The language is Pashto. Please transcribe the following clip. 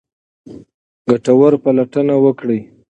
ګټوره پلټنه وکړئ.